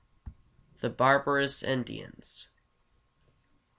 THE BARBAROUS INDIANS.